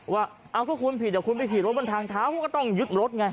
ว่าเอาก็คุณผิดคุณไปขี่รถบนทางเท้าคุณก็ต้องยึดรถไง